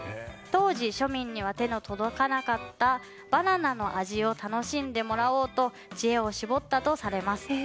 当時、庶民には手の届かなかったバナナの味を楽しんでもらおうと知恵を絞ったとされます。